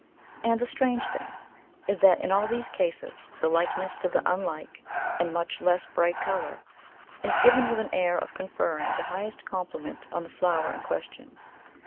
And the strange thing is that in all these cases the likeness to the unlike, and much less bright, colour is given with an air of conferring the highest compliment on the flower in question.